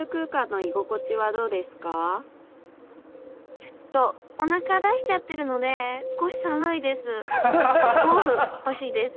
ちょっとおなか出しちゃってるので少し寒いです。